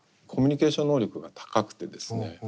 コミュニケーション能力が高くてですね